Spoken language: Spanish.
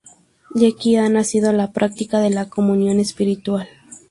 De aquí ha nacido la práctica de la comunión espiritual".